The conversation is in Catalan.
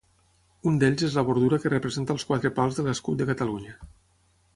Un d'ells és la bordura que representa els quatre pals de l'escut de Catalunya.